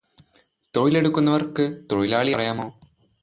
തൊഴിലെടുക്കുന്നവൻ തൊഴിലാളി എന്നു പറയാമോ?